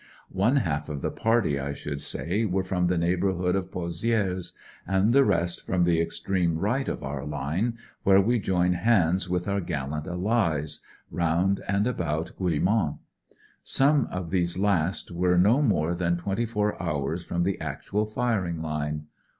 One half the party, I should say, were from the neighbourhood of Pozi^res, and the rest from the extreme right of our line, where we join hands with our gallant Allies, round and about Guillemont. Some of these last were no more than twenty four hours from the actual firing line.